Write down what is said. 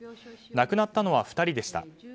亡くなったのは２人でした。